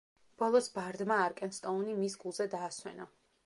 ბოლოს ბარდმა არკენსტოუნი მის გულზე დაასვენა.